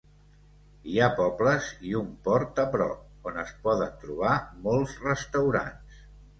Hi ha pobles i un port a prop, on es poden trobar molts restaurants.